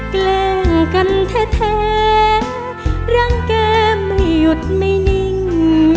แกล้งกันแท้รังแกไม่หยุดไม่นิ่ง